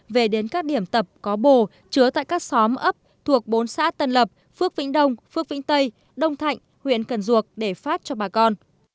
về đến các điểm tập có bồ chứa tại các xóm ấp thuộc bốn xã tân lập phước vĩnh đông phước vĩnh tây đông thạnh huyện cần duộc để phát cho bà con